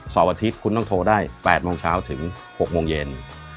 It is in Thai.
สอบอาทิตย์คุณต้องโทรได้๘๐๐นถึง๖๐๐น